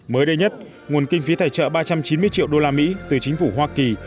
mới đây nhất nguồn kinh phí tài trợ ba trăm chín mươi triệu đô la mỹ từ chính phủ hoa kỳ